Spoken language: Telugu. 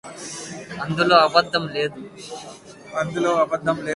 అందులో అబద్ధము లేదు